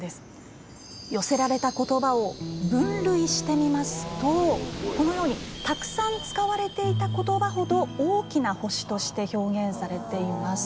寄せられた言葉を分類してみますとたくさん使われていた言葉ほど大きな星として表現されています。